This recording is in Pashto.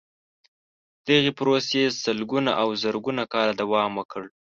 دغې پروسې سلګونه او زرګونه کاله دوام وکړ.